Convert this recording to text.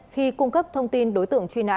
khi cung cấp thông tin đối tượng truy nã